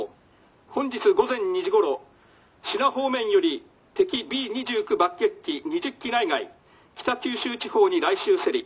本日午前２時ごろ支那方面より敵Ｂ２９爆撃機２０機内外北九州地方に来襲せり。